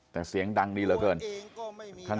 แต่เสียงดังดีเหลือเกิน